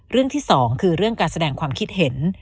เรื่องที่๒คือเรื่องการแสดงความคิดเห็น